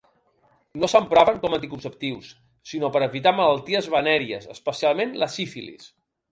No s'empraven com a anticonceptius sinó per a evitar malalties venèries, especialment la sífilis.